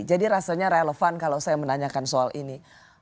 jadi rasanya relevan kalau saya menanyakan soal ini